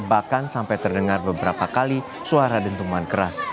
bahkan sampai terdengar beberapa kali suara dentuman keras